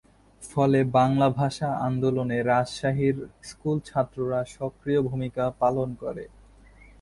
ফলে বাংলা ভাষা আন্দোলনে রাজশাহীর স্কুল ছাত্ররা সক্রিয় ভুমিকা পালন করে।